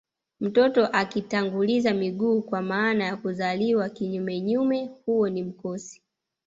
Mtoto akitanguliza miguu kwa maana ya kuzaliwa kinyumenyume huo ni mkosi